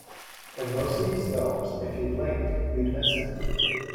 In most of these films, if you blinked, you'd miss him.